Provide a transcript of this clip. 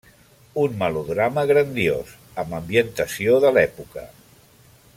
Un melodrama grandiós, amb ambientació de l'època.